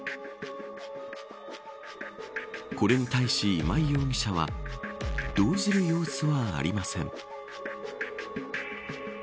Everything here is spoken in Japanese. これに対し今井容疑者は動じる様子はありません。